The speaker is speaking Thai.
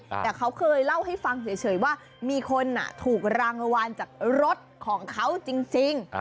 แต่เขาเคยเล่าให้ฟังเฉยว่ามีคนถูกรางวัลจากรถของเขาจริง